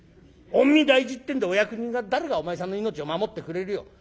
御身大事ってんでお役人が誰がお前さんの命を守ってくれるよ。